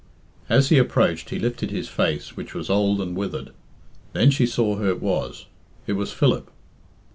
As he approached he lifted his face, which was old and withered. Then she saw who it was. It was Philip.